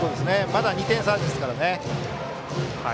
まだ２点差ありますからね。